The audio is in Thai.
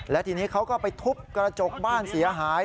และทีนี้เขาก็ไปทุบกระจกบ้านเสียหาย